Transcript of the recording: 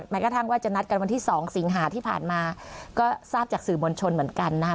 กระทั่งว่าจะนัดกันวันที่๒สิงหาที่ผ่านมาก็ทราบจากสื่อมวลชนเหมือนกันนะครับ